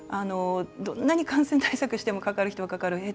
どんなに感染対策してもかかる人は、かかる。